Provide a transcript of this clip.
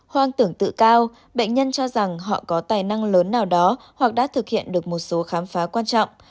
hoang tưởng tự cao bệnh nhân cho rằng họ có tài năng lớn nào đó hoặc đã thực hiện được một số khám phá quan trọng